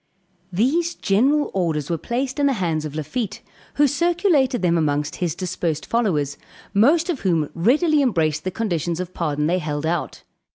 These general orders were placed in the hands of Lafitte, who circulated them among his dispersed followers, most of whom readily embraced the conditions of pardon they held out.